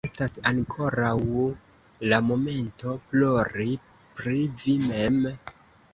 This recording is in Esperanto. Ne estas ankoraŭ la momento, plori pri vi mem.